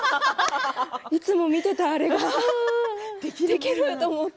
いつも見ていたあれができると思って。